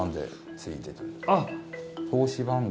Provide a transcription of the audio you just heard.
あっ。